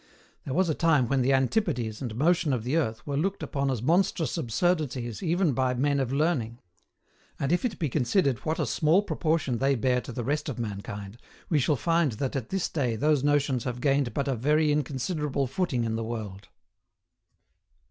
There was a time when the antipodes and motion of the earth were looked upon as monstrous absurdities even by men of learning: and if it be considered what a small proportion they bear to the rest of mankind, we shall find that at this day those notions have gained but a very inconsiderable footing in the world.